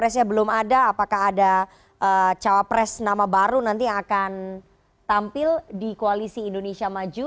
sebelum ada apakah ada capres nama baru nanti akan tampil di koalisi indonesia maju